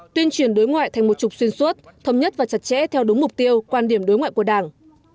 tuyên truyền đối ngoại thành một trục xuyên suốt thống nhất và chặt chẽ theo đúng mục tiêu quan điểm đối ngoại của đảng